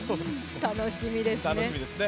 楽しみですね。